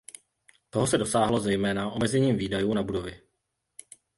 Toho se dosáhlo zejména omezením výdajů na budovy.